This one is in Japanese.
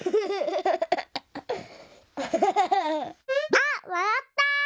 あっわらった！